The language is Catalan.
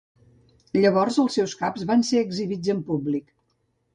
Llavors els seus caps van ser exhibits en públic.